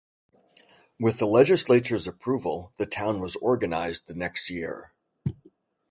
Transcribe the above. With the legislature's approval, the town was organized the next year.